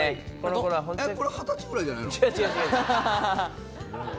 これ２０歳ぐらいじゃないの？